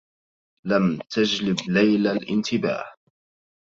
لم تجلب ليلى الانتباه.